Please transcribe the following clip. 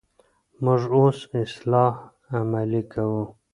موږ اوس اصلاح عملي کوو.